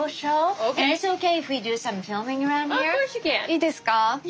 いいですか？